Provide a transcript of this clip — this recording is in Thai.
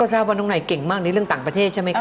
ทราบว่าน้องนายเก่งมากในเรื่องต่างประเทศใช่ไหมคะ